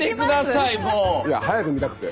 いや早く見たくて。